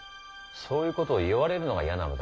そういうことを言われるのが嫌なのだ。